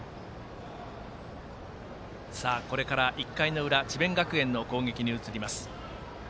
１回の裏智弁学園の攻撃に移ります。